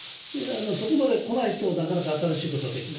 そこまでこないとなかなか新しいことができない。